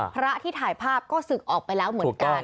พระที่ถ่ายภาพก็ศึกออกไปแล้วเหมือนกัน